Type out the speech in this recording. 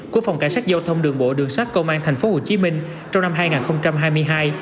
của phòng cảnh sát giao thông đường bộ đường sát công an tp hcm trong năm hai nghìn hai mươi hai